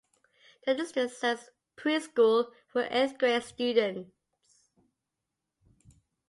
The district serves preschool to eighth grade students.